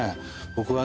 僕はね